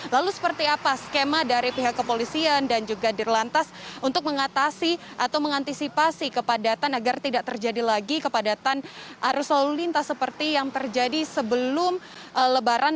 lalu seperti apa skema dari pihak kepolisian dan juga dirlantas untuk mengatasi atau mengantisipasi kepadatan agar tidak terjadi lagi kepadatan arus lalu lintas seperti yang terjadi sebelum lebaran